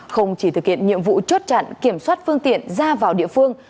không chỉ thực hiện nhiệm vụ chốt chặn kiểm soát phương tiện ra vào địa phương